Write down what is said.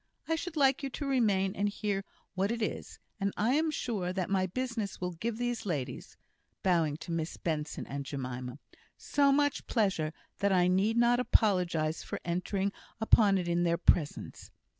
I should like you to remain and hear what it is; and I am sure that my business will give these ladies" bowing to Miss Benson and Jemima "so much pleasure, that I need not apologise for entering upon it in their presence."